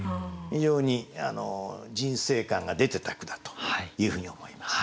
非常に人生観が出てた句だというふうに思います。